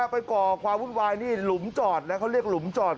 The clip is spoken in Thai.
ก่อความวุ่นวายนี่หลุมจอดนะเขาเรียกหลุมจอด